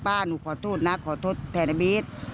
หนูขอโทษนะขอโทษแทนนะบี๊ด